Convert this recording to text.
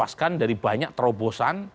nah ini dikatakan dari banyak terobosan